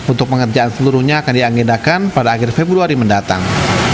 untuk pengerjaan seluruhnya akan dianggendakan pada akhir februari mendatang